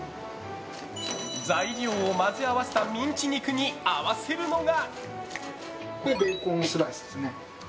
材料を混ぜ合わせたミンチ肉に合わせるのが。